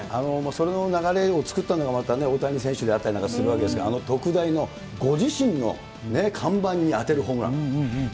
それの流れを作ったのはまたね、大谷選手であったりなんかするわけですから、あの特大のご自身のね、看板に当てるホームラン。